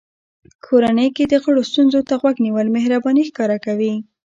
کورنۍ کې د غړو ستونزو ته غوږ نیول مهرباني ښکاره کوي.